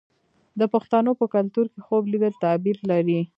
د پښتنو په کلتور کې خوب لیدل تعبیر لري.